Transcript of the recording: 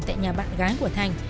tại nhà bạn gái của thành